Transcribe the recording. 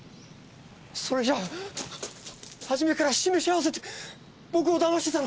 それじゃ初めから示し合わせて僕を騙してたのか！？